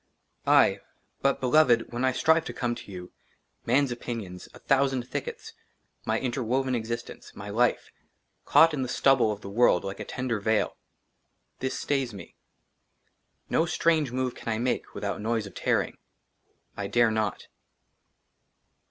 aye; BUT, BELOVED, WHEN I STRIVE TO COME TO YOU, man's OPINIONS, A THOUSAND THICKETS, MY INTERWOVEN EXISTENCE, MY LIFE, CAUGHT IN THE STUBBLE OF THE WORLD LIKE A TENDER VEIL, THIS STAYS ME. NO STRANGE MOVE CAN I MAKE WITHOUT NOISE OF TEARING. I DARE NOT.